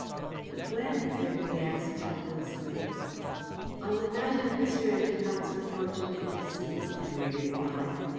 "But when?" Gregory asked helplessly. "On the night of Mr. Endacott's unfortunate decease," Henry replied.